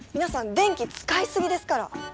電気使い過ぎですから！